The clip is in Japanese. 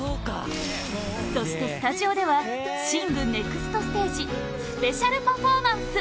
そして、スタジオでは「ＳＩＮＧ／シング：ネクストステージ」スペシャルパフォーマンス！